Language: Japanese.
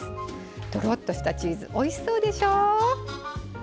とろっとしたチーズおいしそうでしょ！